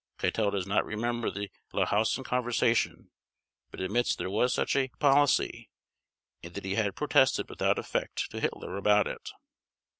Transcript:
Keitel does not remember the Lahousen conversation, but admits there was such a policy and that he had protested without effect to Hitler about it.